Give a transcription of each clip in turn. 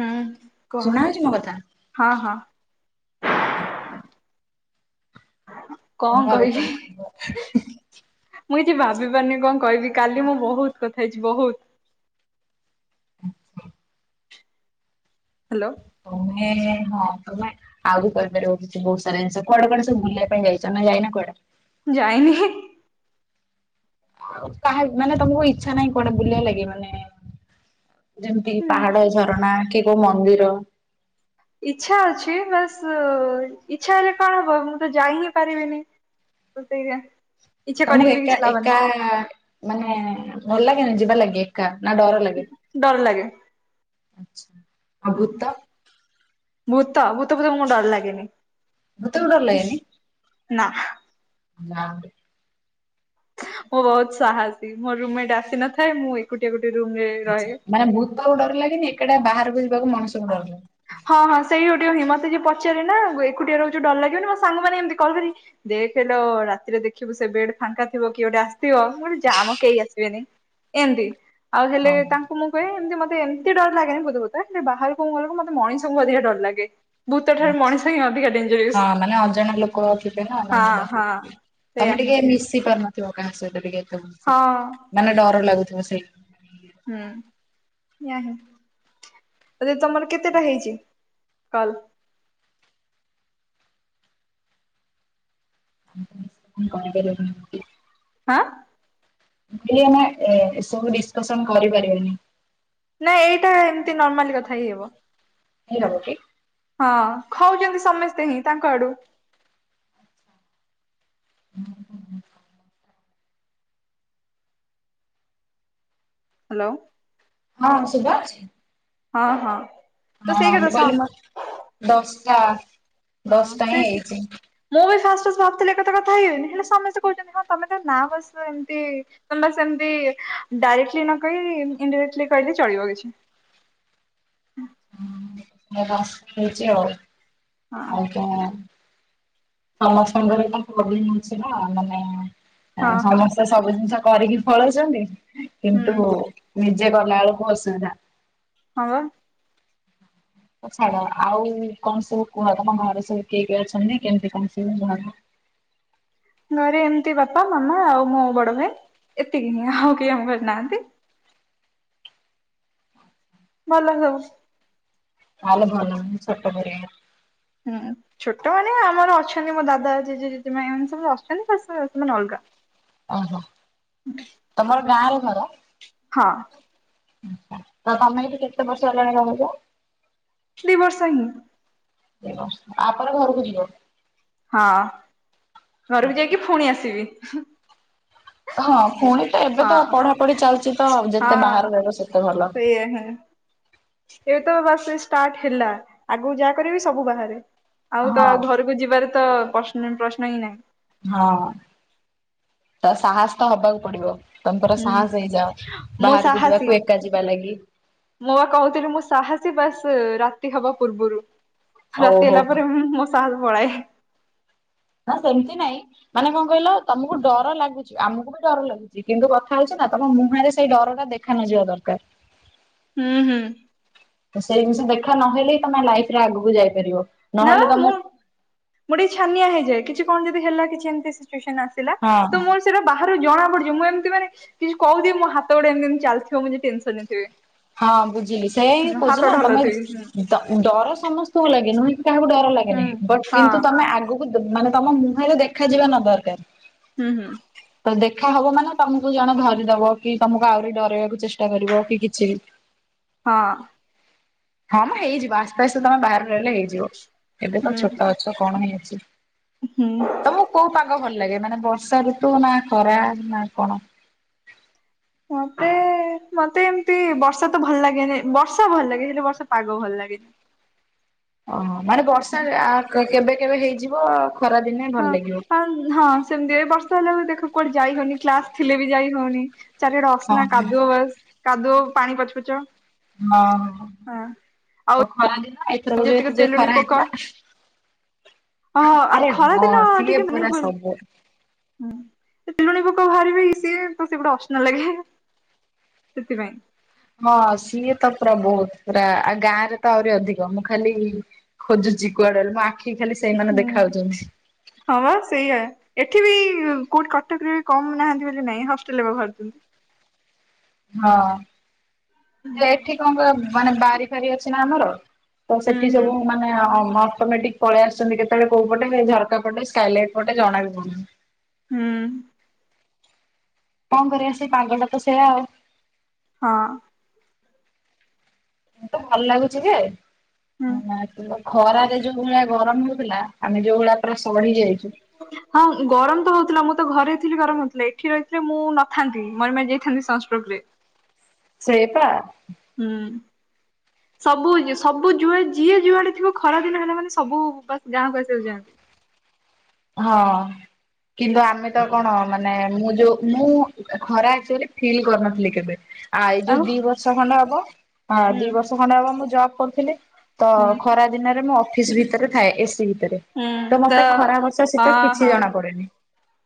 ହୁଁ କୁହ? ଶୁଣା ହଉଛି ମୋ କଥା? ହଁ ହଁ। କଣ କୁହ ଆଉ କହିବି? ଖବର? ମୁଁ କିଛି ଭାବି ପାରୁନି କଣ କହିବି, କାଲି ମୁଁ ବୋହୁତ୍ କଥା ହେଇଛି ବୋହୁତ୍। ହ ହାଲୋ। ତୁମେ ହଁ ତୁମେ। ଆଉ ବି କହିପାରିବ କିଛି ବୋହୁତ୍ ସାରା ଜିନ୍ଷ, କୁଆଡେ କୁଆଡେ ବୁଲିବା ପାଇଁ ଯାଇଛ ନା ଯାଇନ କୁଆଡେ? ଯାଇନି ହିଁ। କାହା ମାନେ ତମକୁ ଇଚ୍ଛା ନାହିଁ କୁଆଡେ ବୁଲେଇ ଲାଗି ମାନେ ଯେମିତି, ପାହାଡ, ଝରଣା, କି କୋଉ, ମନ୍ଦିର। ଇଚ୍ଛା ଅଛି ବାସ୍, ଇଚ୍ଛା ହେଲେ କଣ ହବ ମୁଁ ତ ଯାଇ ହିଁ ପାରିବିନି। ତ ସେୟା। ତମକୁ ଏକା, ଏକା ମାନେ ଭଲ ଲାଗେନି ଯିବା ଲାଗି ଏକା ନା ଡର ଲାଗେ? ଡର ଲାଗେ। ଆ ଭୁତ ଭୂତ? ଭୂତ ଫୁତ ମତେ ଡର ଲାଗେନି। ଭୂତ କୁ ଡର ଲଗେନି? ନା। ନା ମୁଁ ବୋହୁତ୍ ସାହସୀ। ମୋ ରୁମ୍ ମେଣ୍ଟ ଆସି ନଥାଏ ମୁଁ ଏକା ଗୋଟିଏ ଗୋଟିଏ ରୁମ୍ ରେ ରହେ ମ୍ୟାଡମ୍ ଭୂତକୁ ଡର ଲାଗେନି? ଏକା ଟିଆ ବାହାରକୁ ଯିବାକୁ ମଣିଷକୁ ଡର ଲାଗେ। ହଁ ହଁ ସେଇ ଗୋଟେ ହିଁ ମତେ ଯିଏ ପଚାରେନା ଏକୁଟିଆ ରହୁଚୁ ଡର ଲାଗିବନି? ମୋ ସାଙ୍ଗ ମାନେ ଏମତି କଲ୍ କରି ଦେଖ୍ ଲୋ ରାତିରେ ଦେଖିବୁ ସେ ବେଡ୍ ଫାଙ୍କା ଥିବ, କିଏ ଗୋଟେ ଆଶ ଥିବ। ମୁଁ କହିବି ଜାମ କେହି ଆସିବେନି। ଏମିତି ଆଉ ହେଲେ ଓହୋ ତାଙ୍କୁ ମୁଁ ହୁଏ ଏମିତି ମତେ ଏମିତି ଡର ଲାଗେନି [unintelligible] ହେଲେ ବାହାରଙ୍କୁ ଗଲେଙ୍କୁ ମତ ମଣିଷଙ୍କୁ ଅଧିକା ଡର ଲାଗେ। ଭୂତ ଠାରୁ ମଣିଷ ହିଁ ଅଧିକା ଆଚ୍ଛା ଡେଞ୍ଜରିୟସ୍ ହଁ ଆନେ ଅଜଣା ଲୋକୋ ଥିବେ ନା ହଁ ହଁ [unintelligible] ସେଇଆ ତମେ ହିଁ ଟିକେ ମିଶି ପାରୁନଥିବ କାହା ସହିତ ଟିକେ ଏତେ ଭଲସେ ହଁ ମାନେ ଡର ଲାଗୁଥୁବ ସେଇ ହୁଁ [unintelligible] [unintelligible] ତମର କେତେଟା ହେଇଚି କଲ। [unintelligible] ଆଁ ମୁଁ କହିଲି ଆମେ ଏ ଏସବୁ ଡିସ୍କସନ୍ କରିପାରିବାନି। ନା ଏଇଟା ଏମିତି ନର୍ମାଲି କଥା ହେଇହବ। ହେଇହବ କି? ହଁ ଖାଉଚନ୍ତି ସମସ୍ତେ ହିଁ ତାଙ୍କ ଆଡୁ। [unintelligible] ହାଲୋ। ହଁ ଶୁବା ଯାଉଛି। ହଁ ହଁ। ତ ହଁ ସେଇ ମୁଁ କଥା ସ କହିଲି ମ ଦଶଟା। ହଁ ଦଶଟା ହିଁ [unintelligible] ହେଇଛି ମୁଁ ବି ଫାଷ୍ଟ ଫାଷ୍ଟ ଭାବୁଥିଲି ଏ କଥା କଥା [unintelligible] ହେଲେ ସମସ୍ତେ କୋହୁଚନ୍ତି ହଁ ତମେ ତ ନାଁ ବସ୍ ଏମିତି ତମ ବାସ୍ ଏମତି ଡାଇରେକ୍ଟଲି ନକହିକି ଇନ୍ ଇନଡାଇରେକ୍ଟଲି କହିଲି ଚଳିବ କିଛି [unintelligible] ଆଉ ହଁ ଆଉ କଁ ସମସ୍ତଙ୍କର ଏଇନା ପ୍ରୋବ୍ଲେମ ଅଛି ନା ମାନେ ହଁ ହଁ [unintelligible] ତ ସବୁ ଜିନିଷ କରିକି ପଲୋଉଛନ୍ତି ହୁଁ କିନ୍ତୁ ନିଜେ ଗଲା ଆଳୁକୁ ଅସୁବିଧା। ହଁ ବା। ହୋଉ ଛାଡ ଆଉ କଣ ସବୁ କୁହ ତମ ଘରେ ସବୁ କିଏ କିଏ ଅଛନ୍ତି କେମିତି କଣ ସବୁ ଘର। ଘରେ ଏମିତି ବାପା ମାମା ଆଉ ମୋ ବଡ ଭାଇ ଏତିକି ହିଁ ଆଉ କେହି ଆମ କରିନାହାନ୍ତି। ଭଲ [unintelligible] [unintelligible] ଲେ ଭଲ ଉଁ ଛୋଟୋ ପରିବାର। ହୁଁ ଛୋଟମାନୋ ଆମର ଅଛନ୍ତି ମୋ ଦାଦା ଜେଜେ ଜେଜେମା ଏମାନେ ସବୁ ଅଛନ୍ତି ବାସ୍ ସେମାନେ ଅଲଗା। ଅଃ ତମର ଗାଁରେ ଘର। ହଁ। ଆଚ୍ଛା ଆଉ ତମେ ଏଇଠି କେତେ ବର୍ଷ ହେଲାଣି ରହୁଚ। ଦି ବର୍ଷ ହିଁ। ଦି ବର୍ଷ ଆ ପରେ ଘରୁକୁ ଯିବ। ହଁ ଘରୁକୁ ଯାଇକି ଫୁଣି ଆସିବି। ହଁ ଫୁଣି ତ ଏବେ ତ ଆଉ ହଁ। ପଢା ପଢି ଚାଲିଚି ତ ଯେତେ ହଁ ବାହାରେ ରହିବ ସେତେ ଭଲ। [unintelligible] ଏବେ ତ ବାସ ଏଇ ଷ୍ଟାର୍ଟ ହେଲା ଆଗୁକୁ ଯାହା କରିବି ସବୁ ବାହାରେ ଆଉ ହଁ ତ ଆଉ ଘରୁ କୁ ଯିବାର ତ [unintelligible] ପ୍ରଶ୍ନ ହିଁ ନାହିଁ। ହଁ ତ ସାହସ ତ ହବାକୁ ପଡିବ। ତମ ପୁରା ହୁଁ ସାହସ ହେଇଯାଅ ମୁଁ ବାହାରୁକୁ ସାହସୀ। ଯିବାକୁ ଏକା ଯିବା ଲାଗି। ମୁଁ ବା କହୁଥିଲି ମୁଁ ସାହସୀ ବାସ ରାତି ହବା ପୂର୍ବରୁ। ରାତି ଓହୋ ହେଲା ପରେ ମୁଁ ମୋ ସାହାସ ପଳାଏ। ନା ସେମିତି ନାଇଁ ମାନେ କଁ କହିଲ ତମୁକୁ ଡର ଲାଗୁଛି ଆମୁକୁ ବି ଡର ଲାଗୁଛି କିନ୍ତୁ କଥା ହୋଉଚି ନା ତମ ମୁହଁରେ ସେଇ ଡର ଟା ଦେ ଖା ନା ଯିବା ଦରକାର। ହୁଁ ହୁଁ। ସେଇ ଜିନିଷ ଦେଖା ନହେଲେ ହିଁ ତମେ ଲାଇଫ୍ ରେ ଆଗକୁ ଯାଇପାରିବ। ନା ନହେଲେ ତମେ ମୁଁ ମୁଁ ଟିକେ ଛାନିଆ ହେଇଯାଏ କିଛି କଣ ଯଦି ହେଲା କିଛି ଏମତି ସିଚୁଏସନ ଆସ ଥିଲା ହଁ ତ ମୋର ସେଇଟା ବାହାରୁ ଜଣା ପଡ଼ିଯିବ ମୁଁ ଏମିତି ମାନେ କିଛି କହୁଥିବୀ ମୋ ହାତ ଗୋଡ଼ ଏମିତି ଏମତି ଚାଲିଥିବ ମୁଁ ଯଦି ଟେନସନ୍ ରେ ଥିବି। ହଁ ବୁଝିଲି ସେୟା ହିଁ କହୁଛି ହାତ ନା ତମେ ଢଲଉଥିବି ଡ ଡର ସମସ୍ତଙ୍କୁ ଲାଗେ ନୁହେଁକି କାହାକୁ ଡର ଲାଗେନି ହୁଁ ବଟ୍ ହଁ କିନ୍ତୁ ତମେ ଆଗକୁ ମାନେ ତମ ମୁହଁରେ ଦଖା ଯିବା ନ ଦରକାର ହୁଁ ହୁଁ। ତ ଦେଖା ହବ ମାନେ ତମକୁ ଜଣେ ଧରିଦବ କି ତମକୁ ଆହୁରି ଡରାଇବାକୁ ଚେଷ୍ଟା କରିବ କି କିଛି ହଁ। ହଁ ମ ହେଇଯିବ ଆସ୍ତେ ଆସ୍ତେ ତମେ ବାହାରେ ରହିଲେ ହେଇଯିବ ଏବେ ତ ଛୋଟ ଅ ଛ କଣ ହେଇ ଅଛି ଉ ହୁଁ। କୋଉ ପାଗ ଭଲ ଲାଗେ ମାନେ ବର୍ଷା ଋତୁ ନା ଖରା ନା କଣ? ମତେ ମତେ ଏମତି ବର୍ଷା ତ ଭଲ ଲାଗେନି ବର୍ଷା ଭଲ ଲାଗେ ହେଲେ ବର୍ଷା ପାଗ ଭଲ ଲାଗେନି। ଓଃ ହୋ ମାନେ ବର୍ଷା କେବେ କେବେ ହେଇଯିବ ଖରା ଦିନେ ଭଲ ହଁ ଲାଗିବ। ହଁ ହଁ ସେମିତି ଏଇ ବର୍ଷ [unintelligible] ଦେଖ କୁଆଡ଼େ ଯାଇ ହଉନି କ୍ଲାସ ଥିଲେ ବି ଯାଇ ହଉନି ଚାରିଆଡ଼େ ଅସନା ହଁ। କାଦୁଅ ବାସ୍ କାଦୁଅ ପାଣି ପଚ ପଚ ହଁ ହଁ ଆଉ ପ ଖରାଦିନ ଏଥରକ ଯୋଉ ଯେତିକି ଏତେ ଯୋଉ ତେଲୁଣି ଖରା ପୋକ ହେଇଥିଲା ହଁ ଆଉ ଆରେ ଖରା ହଁ ଦିନ ସିଏ ପୁରା ସବୁ ହୁଁ ତେଲୁଗୁନି ପୋକ ବାହାରିବେ ଇଏ ସିଏ ତ ସେଗୁଡ଼ା ଅସନା ଲାଗେ। ସେଥିପାଇଁ। ହଁ ସିଏ ତ ପୁରା ବହୁତ ପୁରା ଆଉ ଗାଁ ରେ ତ ଆହୁରି ଅଧିକ ମୁଁ ଖାଲି ଖୋଜୁଛି କୁଆଡ଼େ ଗଲେ ମୋ ଆଖି କି ଖାଲି ସେଇମାନେ ହୁଁ। ଦେଖାହଉଛନ୍ତି। ହଁ ବା ସେଇଆ ଏଠି ବି କୋଉଠି କଟକରେ କମ ନାହାନ୍ତି ବୋଲି ନାଇଁ ହଷ୍ଟେଲରେ ବା ବାହାରଛନ୍ତି। ହଁ ସେ ଏଠି କଣ କ ମାନେ ବାରି ଫାରି ଅଛି ନା ଆମର ତ ହୁଁ ସେଠି ହୁଁ ସବୁ ମା ମାନେ ଅଟୋମେଟିକ୍ ପଳେଇ ଆସୁଛନ୍ତି କେତେବେଳେ କୋଉ ପଟେ ସେ ଝରକା ପଟେ ସ୍କାଇଲାଇଟ୍ ପଟେ ଜଣା ବି ପଡୁନି। ହୁଁ। କଣ କରିବା ସେଇ ପାଗଟା ତ ସେଇଆ ଆଉ। ହଁ। କିନ୍ତୁ ଭଲ ଲାଗୁଛି ଯେ ହୁଁ। ଖରାରେ ଯୋଉ ଭଳିଆ ଗରମ ହଉଥିଲା ଆମେ ଯୋଉ ଭଳିଆ ପୁରା ସଢ଼ି ଯାଇଛୁ ହଁ ଗରମ ତ ହଉଥିଲା ମୁଁ ତ ଘରେ ଥିଲି ଗରମ ହଉଥିଲା ଏଠି ରହିଥିଲେ ମୁଁ ନଥାନ୍ତି ମରି ମାରି ଯାଇ ଥାନ୍ତି ସନଷ୍ଟ୍ରୋକ୍ ରେ ସେଇଆ ପା ହୁଁ। [inaudible] ସବୁଯ ସବୁୁ ଯୁଆଡ଼େ ଯିଏ ଯୁଆଡ଼େ ଥିବ ଖରା ଦିନ ହେଲେ ମାନେ ସବୁ ବାସ୍ ଗାଁକୁ ଆସିବାକୁ ଚାହାନ୍ତି ହଁ କିନ୍ତୁ ଆମେ ତାକୁ କଣ ମାନେ ମୁଁ ଯୋଉ ମୁଁ ଖରା ଅଛି ବୋଲି ଫିଲ୍ କରିନଥିଲି କେବେ ଆ ଏଇଜଉ ଆଉ ଦି ବର୍ଷ ଖଣ୍ଡେ ହବ ହଁ ହୁଁ ଦି ବର୍ଷ ଖଣ୍ଡେ ହବ ମୁଁ ଜବ କରୁଥିଲି ତ ହୁଁ ଖରା ଦିନରେ ମୁଁ ଅଫିସ୍ ଭିତରେ ଥାଏ ଏସିି ଭିତରେ ତ ମତେ ଖରା ବର୍ ସେ ଅ ତ କିଛି ହଁ ଜଣା ପଡେନି।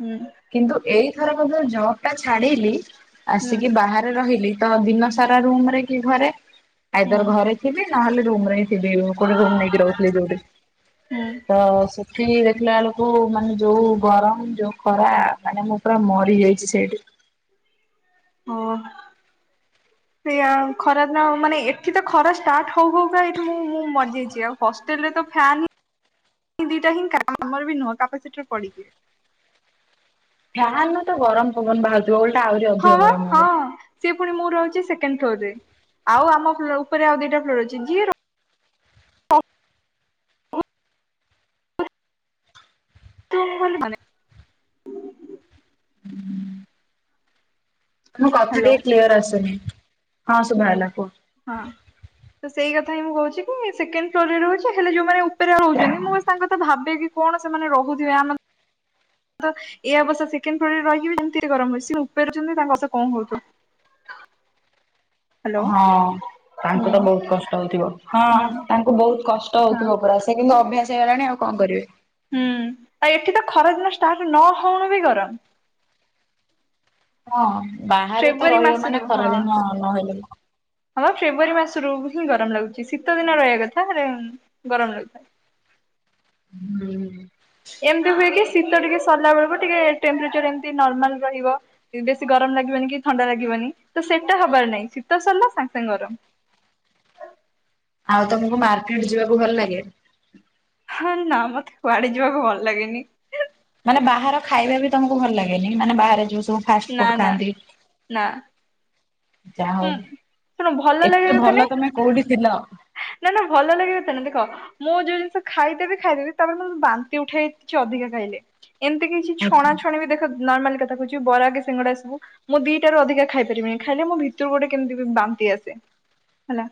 ହୁଁ କିନ୍ତୁ ଏଇଥର କ ଯୋଉ ଜବ ଟା ଛାଡଲିି ହୁଁ ଆସିକି ବାହାରେ ରହିଲି। ତ ଦିନ ସାରା ରୁମ ରେ କି ଘରେ ହୁଁ ଆଇଦର ଘରେ। ଥିବି ନହେଲେ ରୁମରେ ହିଁ ଥିବି କୋଉଠେ ରୁମ ନେଇକି ରହୁଥିଲି ଯୋଉଠି। ହୁଁ। ତ ସେଠି ଦେଖିଲା ବେଳକୁ ମାନେ ଯୋଉ ଗରମ ଯୋଉ ଖରା ମାନେ ମୁଁ। ପୁରା ମରି ଯାଇଛି ସେଇଠି। ହଁ। ସେଇଆ ଖରା ଦିନ ମାନେ ଏଠି ତ ଖରା ଷ୍ଟାର୍ଟ ହଉ ହଉ କା ଏଠି ମୁଁ ମୁଁ ମରିଯାଇଛି ଆଉ ହଷ୍ଟେଲ ରେ ତ ଫ୍ୟାନ୍। ହଁ। ଦିଟା ହିଁ କାମର ବି ନୁହଁ କାପାସିଟର ପଡିକି। ଫ୍ୟାନ ରେ ତ ଗରମ ପବନ ବାହାରୁଥିବ ଓଲଟା ଆହୁରି ହଁ ଅଧିକ ବା ଗରମ ହବ। ହଁ ସିଏ ପୁଣି ମୁଁ ରହୁଛି ସେକେଣ୍ଡ ଫ୍ଲୋରରେ ଆଉ ଆମ ଫୋ ଆମ ଉପରେ ଆଉ ଦିଟା ଫ୍ଲୋର ଅଛି ଯିଏ ର ହୁଁ ଥିବ ମୁଁ ଖାଲି ଭା ହୁଁ ତୁମ କଥା ଟିକେ ହ୍ୟାଲୋ କ୍ଲିୟର ଆସୁନି ହଁ ଶୁଭା ଗଲା କୁହ। ହଁ ତ ସେଇ କଥା ହିଁ ମୁଁ କହୁଛି କି ସେକେଣ୍ଡ ଫ୍ଲୋରରେ ରହୁଛି ହେଲେ ଯୋଉମାନେ ଉପ୍ ଉପରେ ରହୁଛନ୍ତି ମୁଁ ବସ୍ ତାଙ୍କ କଥା କି କଣ ସେମାନେ ରହୁଥିବେ ଆମ। ତ ଏ ଅବସ୍ତା ସେକେଣ୍ଡ ଫ୍ଲୋର ରେ ରିହି କି ବି ଯେମିତିଆ ଗରମ ହଉଛି ସେ ଆମ ଉପରେ ରହୁଛନ୍ତି ତାଙ୍କ ଅବସ୍ଥା କଁ ହଉ ଥିବ। ହଁ ତାଙ୍କୁ ହୁଁ ତ ବହୁତ କଷ୍ଟ ହଉଥିବ ହଁ ହୁଁ ତାଙ୍କୁ ବହୁତ କଷ୍ଟ ହଁ ହଉଥିବ ପୁରା ସେ। ସେ କିନ୍ତୁ ଅଭ୍ୟାସ ହେଇଗଲାଣି ଆଉ କଣ କରିବେ। ହୁଁ ଆଉ ଏଠି ତ ଖରାଦିନ ଷ୍ଟାର୍ଟ ନ ହଉଣୁ ବି ଗରମ। ହଁ ବାହାରେ ତ ଫେବୃଆରୀ ରହିବ ମାସରୁ ମାନେ ଖରାଦିନ ନହେଲେ ବି। ହଁବା ଫେବୃଆରୀ ମାସରୁ ହିଁ ଗରମ ଲାଗୁଛି ଶୀତ ଦିନ ରହିବା କଥା ହେଲେ ଗରମ ଲାଗୁଥାଏ। ହୁଁ। ଏମିତି ହୁଏ କି ଶୀତ ଟିକେ ସରିଲା ବେଳୁକୁ ଟିକେ ଟେମ୍ପେଚର ଏମତି ନର୍ମାଲ ରହିବ। ବେଶୀ ଗରମ ଲାଗିବନି କି ଥଣ୍ଡା ଲାଗିବନି ତ ସେଟା ହବାର ନାହିଁ ଶୀତ ସରିଲା ସାଙ୍ଗେ ସାଙ୍ଗେ ଗରମ। ଆଉ ତମକୁ ମାର୍କେଟ ଯିବାକୁ ଭଲ ଲାଗେ। ହଁ ନା ମତେ କୁଆଡେ ଯିବାକୁ ଭଲ ଲାଗେନି। ମାନେ ବାହାର ଖାଇବା ବି ତମକୁ ଭଲ ଲାଗେନି ମାନେ ବାହାରେ ଯୋଉ ସବୁ। ଫାଷ୍ଟ ନା ଫୁଡ ନା ଖାନ୍ତିି। ନା ଯା ହଉ ଶୁଣ ଭଲ ଲାଗିବା ଏତେ କଥା ଭଲ ନାଇଁ ତମେ କୋଉଠି ଥିଲ। ନା ନା ଭଲ ଲାଗେ ସେମିତି ଦେଖ। ମୁଁ ଯୋଉ ଜିନିଷ ଖାଇ ଦେବି ଖାଇ ଦେବି ତାପରେ ମତେ ବାନ୍ତି ଉଠାଏ କିଛି ଅଧିକା ଖାଇଲେ। ଏମିତି କିଛି ଆଚ୍ଛା। ଛଣା ଛଣି ବି ଦେଖ ନର୍ମାଲି କଥା କହୁଛି ବରା କି ସିଙ୍ଗଡା ଏସବୁ। ମୁଁ ଦିଟାରୁ ଅଧିକା ଖାଇ ପାରିବିନି ଖାଇଲେ ମୋ ଭିତରୁ ଗୋଟେ କେମିତି ବାନ୍ତି ଆସେ ହେଲା।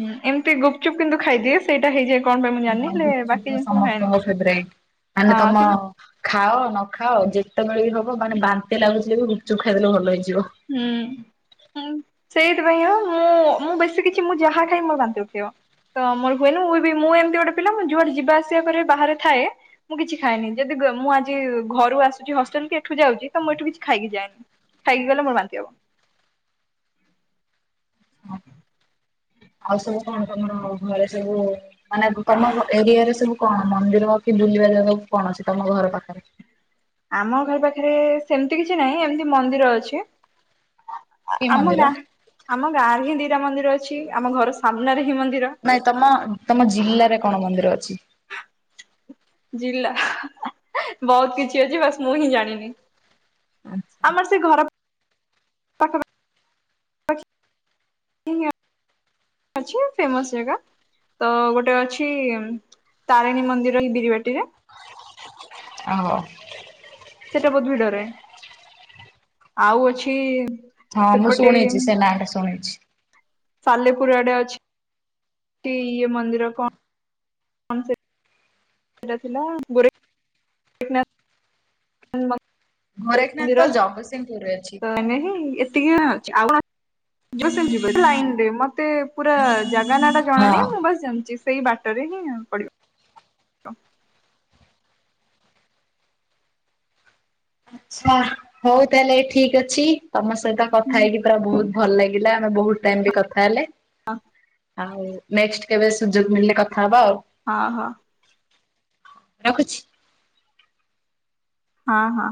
ହୁଉ ଏମିତି ଗୁପଚୁପ କିନ୍ତୁ ଖାଇଦିଏ। ସେଇଟା ହେଇଯାଏ କଣ ପାଇଁ ମୁଁ ଜାଣିନି ହଁ ହେଲେ ଗୁପଚୁପ୍ ତ ବାକି ଜିନିଷ ମୁଁ ଖାଏନି ସମସ୍ତଙ୍କ ଫେବରାଇଟ୍ ମାନେ ତମ ହଁ। ଖାଅ ନ ଖାଅ ଯେତେ ବେଳେ ବି ହବ ମାନେ ବାନ୍ତି ଲାଗୁଥିଲେ ବି ଗୁପଚୁପ୍ ଖାଇଦେଲେ ଭଲ ହେଇଯିବ। ହୁଁ। ସେଇଥି ପାଇଁ ହଁ ମୁଁ ମୁଁ ବେଶୀ କିଛି ମୁଁ ଯାହା ଖାଇ ବି ମୋର ବାନ୍ତି ଉଠେଇବ। ତ ମୋର ହୁଏନି ମୁଁ ବି ମୁଁ ଏମିତି ଗୋଟେ ପିଲା ମୁଁ ଯୁଆଡେ ଯିବା ଆସିବା କରେ ବାହାରେ ଥାଏ। ମୁଁ କିଛି ଖାଏନି ଯଦି ଗ ମୁଁ ଆଜି ଘରୁ ଆସୁଛି ହଷ୍ଟେଲ କି ଏଠୁ ଯାଉଛି ତ ମୁଁ ଏଠୁ କିଛି ଖାଇକି ଯାଏନି। ଇଏଲେ ମୋ ବାନ୍ତି ହବ। ଆଉ ସବୁ କଣ କଣ ଆଉ ଘରେ ସବୁ ମାନେ ତମର ଏରିଆରେ ସବୁ କଣ ମନ୍ଦିର କି ବୁଲିବା ଜାଗାକୁ କଣ ଅଛି ତମ ଘର ପାଖରେ? ଆମ ଘର ପାଖରେ ସେମତି କିଛି ନାହିଁ ଏମତି ମନ୍ଦିର ଅଛି। କି ଆମ ମନ୍ଦିର ଗାଁ ଆମ ଗାଁ ରେ ହିଁ ଦିଟା ମନ୍ଦିର ଅଛି। ଆମ ଘର ସାମ୍ନାରେ ହିଁ ମନ୍ଦିର। ନାଇଁ ତମ ତମ ଜିଲ୍ଲାରେ କଣ ମନ୍ଦିର ଅଛି? ଜିଲ୍ଲା ବହୁତ୍ କିଛି ଅଛି। ବାସ୍ ମୁଁ ହିଁ ଜାଣିନି। ଆଚ୍ଛା। ଆମର ସେ ଘର ପାଖାପା ପାଖି ଖି ଆଉ ଅଛି ଫେମସ୍ ଜାଗା। ତ ଗୋଟେ ଅଛି ତାରିଣୀ ମନ୍ଦିର ଏ ବିରିିବାଟିରେ। ଆହୋ ସେଟା ବହୁତ ଭିଡରେ ଆଉ ଅଛି ହାଁ ମୁଁ ସେପଟେ ଶୁଣିଚି ସେ ନାଁ ଟା ଶୁଣିଛି। ସାଲେପୁର ଆଡେ ଅଛି। ଟି ଇଏ ମନ୍ଦିର କଣ? ହଁ ସେ ସେଟା ଥିଲା ବୋରେ ଗୋରେଖନାଥ ତ ଜଗତସିଂହପୁରରେ ଅଛି। ତ ଏଇନେ ହିଁ ଏତିକିଉଣା ଅଛି ଆଉ କଣ? ଯିବ ସେମତି ଯିବ ଲାଇନରେ ମତେ ପୁରା ଜାଗା ନାଁ ଟା ଜଣା ନାହିଁ ହଁ। ମୁଁ ବାସ୍ ଜାଣିଚି। ସେଇ ବାଟରେ ହିଁ ପଡିବ। କ ଆଚ୍ଛା ହଉ ତାହେଲେ ଠିକ୍ ଅଛି ତମ ସହିତ କଥା ହେଇକି ପୁରା ବହୁତ୍ ଭଲ୍ ଲାଗିଲା ଆମେ ବହୁତ୍ ଟାଇମ୍ ବି କଥା ହେଲେ ଆଉ ନେକ୍ସଟ୍ କେବେ ସୁଯୋଗ ମିଳିଲେ କଥା ହବା ଆଉ। ହଁ ହ। ରଖୁଛି। ହଁ ହଁ।